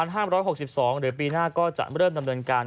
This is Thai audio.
หรือปีหน้าก็จะเริ่มดำเนินการ